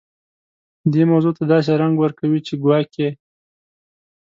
دې موضوع ته داسې رنګ ورکوي چې ګواکې.